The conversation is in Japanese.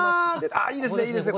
いいですねいいですね！